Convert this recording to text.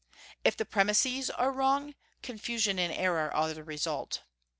If the premises are wrong, confusion and error are the result.